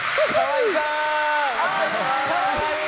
かわいい。